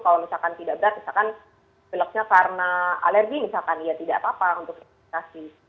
kalau misalkan tidak berat misalkan beloknya karena alergi misalkan ya tidak apa apa untuk investasi